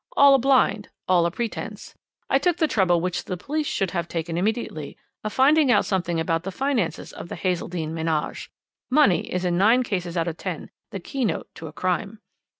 all a blind, all pretence. I took the trouble which the police should have taken immediately, of finding out something about the finances of the Hazeldene ménage. Money is in nine cases out of ten the keynote to a crime.